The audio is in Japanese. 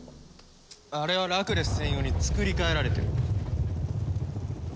あれはラクレス専用に作り替えられてる。